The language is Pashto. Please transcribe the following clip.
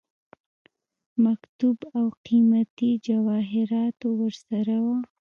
مکتوب او قيمتي جواهراتو ورسره وه.